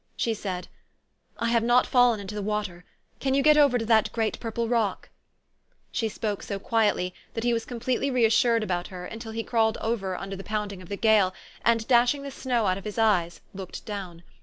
She said, " I have not fallen into the water. Can you get over to that great purple rock? " She spoke so quietly, that he was completely re assured about her until he crawled over under the pounding of the gale, and, dashing the snow out of his eyes, looked down.